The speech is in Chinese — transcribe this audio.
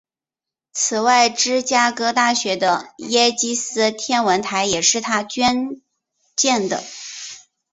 此外芝加哥大学的耶基斯天文台也是他捐建的。